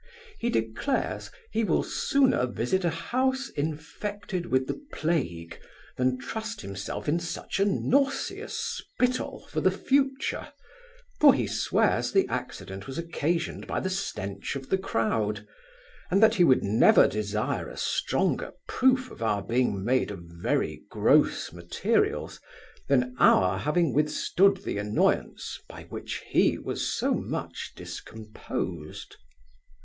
He declares, he will sooner visit a house infected with the plague, than trust himself in such a nauseous spital for the future, for he swears the accident was occasioned by the stench of the crowd; and that he would never desire a stronger proof of our being made of very gross materials, than our having withstood the annoyance, by which he was so much discomposed.